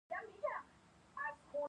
د ارزګان په خاص ارزګان کې فلورایټ شته.